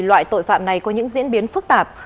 loại tội phạm này có những diễn biến phức tạp